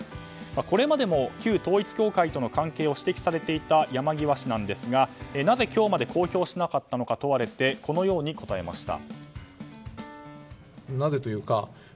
これまでも旧統一教会との関係を指摘されていた山際氏なんですがなぜ今日まで公表しなかったのか問われてこのように答えました。